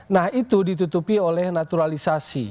nah itu ditutupi oleh naturalisasi